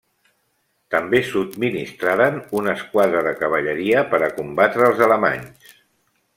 També subministraren una esquadra de cavalleria per a combatre els alemanys.